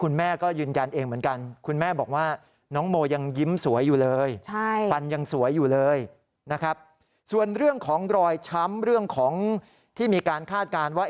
เลยนะครับส่วนเรื่องของรอยช้ำเรื่องของที่มีการคาดการว่า